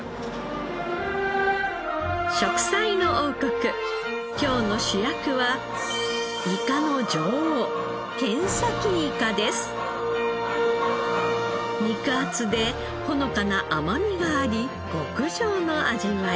『食彩の王国』今日の主役はイカの女王肉厚でほのかな甘みがあり極上の味わい。